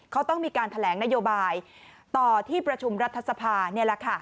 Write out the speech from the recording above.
เขาต้องมีการแถลงนโยบายต่อที่ประชุมรัฐสภานี่แหละค่ะ